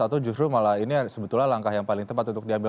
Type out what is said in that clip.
atau justru malah ini sebetulnya langkah yang paling tepat untuk diambil